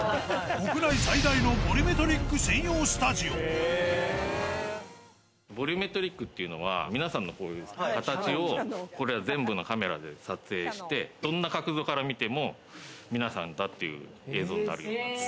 国内最大のボリュメトリック専用ボリュメトリックというのは、皆さんのこういう形をこれら全部のカメラで撮影して、どんな角度から見ても、皆さんだっていう映像になります。